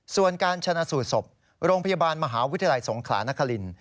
ส่วนการชนะสูตรศพโรงพยาบาลมหาวิทยาลัยสงขลานคริน